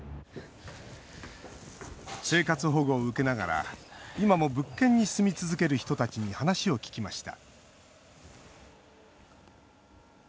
生活保護を受けながら今も物件に住み続ける人たちに話を聞きました